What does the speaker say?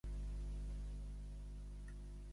Una trucada al Nico, fes-la.